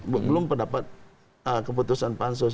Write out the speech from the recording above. belum pendapat keputusan pansus